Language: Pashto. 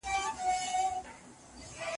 ادارې د لویدیځوالو له خوا جوړې سوې.